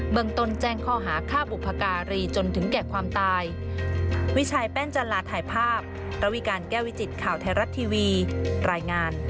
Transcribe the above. เมืองต้นแจ้งข้อหาฆ่าบุพการีจนถึงแก่ความตาย